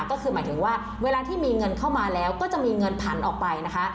ก็คือหมายถึงว่าเวลาที่มีเงินเข้ามาแล้วก็จะมีเงินผันออกไปนะคะ